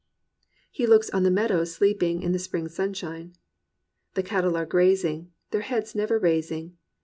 He looks on the meadows sleeping in the spring sunshine : "The cattle are grazing. Their heads never raising.